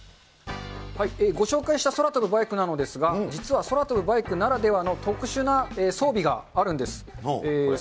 ご紹介した空飛ぶバイクなのですが、実は空飛ぶバイクならではの特殊な装備があるんです。